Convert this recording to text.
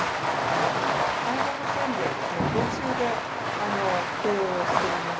介護保険料の報酬で経営をしています。